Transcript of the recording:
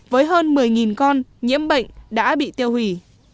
với hơn một mươi con nhiễm bệnh đã bị tiêu hủy